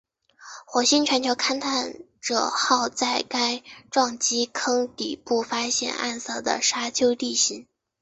火星全球探勘者号在该撞击坑底部发现暗色的沙丘地形。